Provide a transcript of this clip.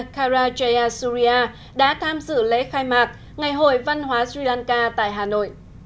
karajaya surya đã tham dự lễ khai mạc ngày hội văn hóa sri lanka tại hà nội